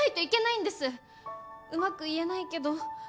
うまく言えないけど。